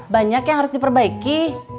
banyak yang harus di perbaiki